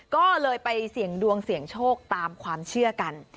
ก็เลยไปเสี่ยงดวงเสี่ยงโชคตามความเชื่อกัน